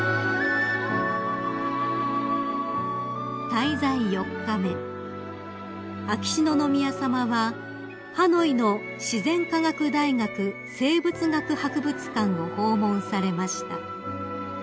［滞在４日目秋篠宮さまはハノイの自然科学大学生物学博物館を訪問されました］